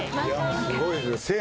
すごいですよ。